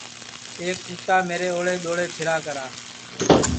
ایک کُتا میرے اوݪے دؔوݪے پھیرا کرا